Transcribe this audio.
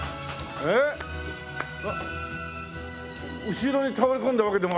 後ろに倒れ込んだわけでも。